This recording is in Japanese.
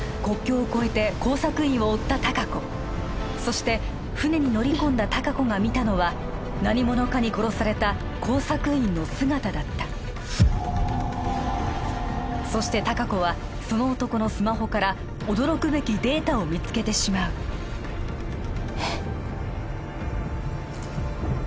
国境を越えて工作員を追った隆子そして船に乗り込んだ隆子が見たのは何者かに殺された工作員の姿だったそして隆子はその男のスマホから驚くべきデータを見つけてしまうえっ？